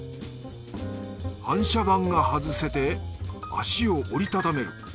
反射板がはずせて脚を折りたためる。